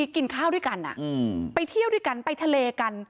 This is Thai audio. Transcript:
กินข้าวด้วยกันไปเที่ยวด้วยกันไปทะเลกัน